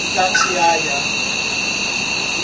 Itatiaia